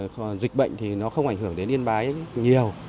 còn dịch bệnh thì nó không ảnh hưởng đến yên bái nhiều